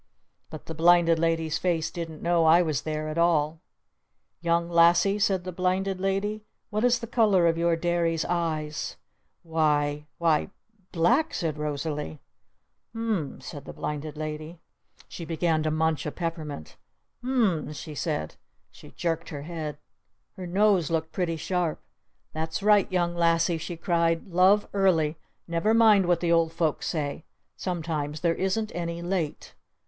But the Blinded Lady's face didn't know I was there at all. "Young Lassie," said the Blinded Lady. "What is the color of your Derry's eyes?" "Why why black!" said Rosalee. "U m mmm," said the Blinded Lady. "Black?" She began to munch a peppermint. "U m m m," she said. She jerked her head. Her nose looked pretty sharp. "That's right, Young Lassie!" she cried. "Love early! Never mind what the old folks say! Sometimes there isn't any late!